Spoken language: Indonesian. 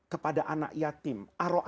kepada anak yatim